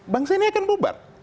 bangsa ini akan bubar